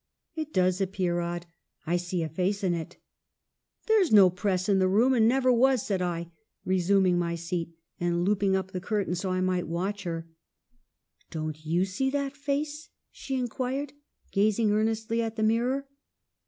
' It does appear odd. I see a face in it !'"' There's no press in the room and never was,' said I, resuming my seat, and looping up the curtain that I might watch her. "' Don't you see that face ?' she inquired, gaz ing earnestly at the mirror.